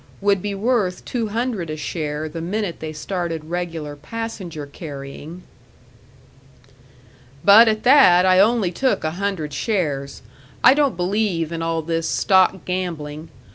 Would be worth two hundred a share the minute they started regular passenger carrying. "But at that, I only took a hundred shares. I don't believe in all this stock gambling.